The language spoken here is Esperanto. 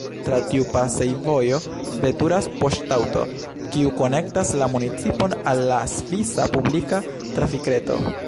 Tra tiu pasejvojo veturas poŝtaŭto, kiu konektas la municipon al la svisa publika trafikreto.